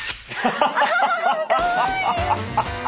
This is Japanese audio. かわいい！